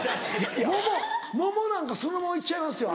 「桃なんかそのまま行っちゃいますよ